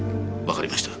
わかりました。